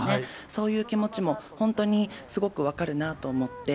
そういう気持ちも、本当にすごく分かるなと思って。